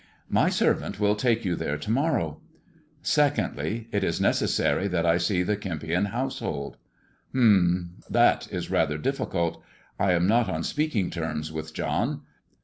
" My servant shall take you there to morrow." "Secondly, it is necessary that I see the Kempion household." " Humph ! That is rather difficult. I am not on speak ing terms with John.